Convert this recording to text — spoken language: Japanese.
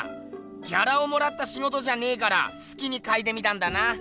ギャラをもらったしごとじゃねえからすきにかいてみたんだな。